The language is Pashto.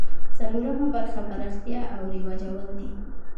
څلورمه برخه پراختیا او رواجول دي.